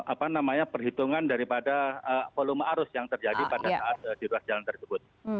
apa namanya perhitungan daripada volume arus yang terjadi pada saat di ruas jalan tersebut